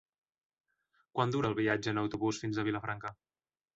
Quant dura el viatge en autobús fins a Vilafranca?